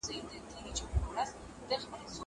زه سبا ته فکر کړی دی!